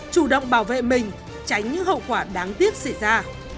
chủ động bảo vệ mình tránh những hậu quả đáng tiếc xảy ra